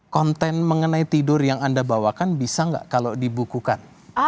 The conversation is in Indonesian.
konten mengenai tidur yang anda bawakan bisa nggak kalau dibukukan